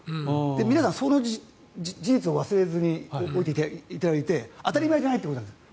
皆さんその事実を忘れずにいただいて当たり前じゃないということです。